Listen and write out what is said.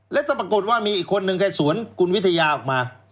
แล้วถ้าปรากฏว่ามีอีกคนนึงแค่สวนคุณวิทยาออกมา